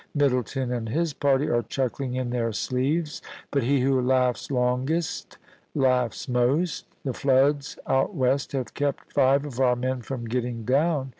* Middleton and his party are chuckling in their sleeves; but he who laughs longest laughs most The floods out west have kept five of our men from getting down.